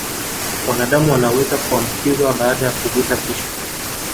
Wanadamu wanaweza kuambukizwa baada ya kugusa tishu